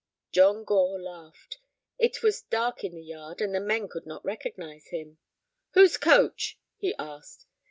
John Gore laughed. It was dark in the yard, and the men could not recognize him. "Whose coach?" he asked.